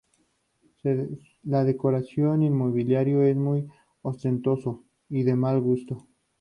La decoración y el mobiliario es muy ostentosa y de mal gusto.